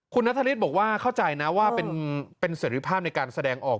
คุณนัทธริสบอกว่าเข้าใจนะว่าเป็นเสร็จภาพในการแสดงออก